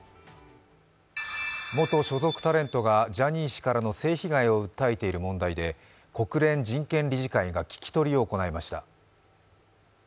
元所属タレントがジャニー氏からの性被害を訴えている問題で国連人権理事会が聞き取りを行いました。